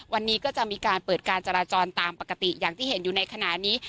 วันนี้ก็จะมีการเปิดการจราจรตามปกติอย่างที่เห็นอยู่ในขณะนี้